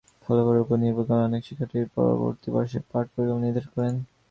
ফলাফলের ওপর নির্ভর করে অনেক শিক্ষার্থী পরবর্তী বর্ষের পাঠ-পরিকল্পনা নির্ধারণ করেন।